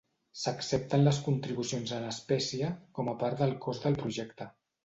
S'accepten les contribucions en espècie com a part del cost del projecte.